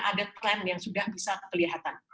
ada tren yang sudah bisa kelihatan